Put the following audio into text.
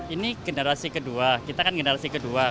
ini generasi kedua kita kan generasi kedua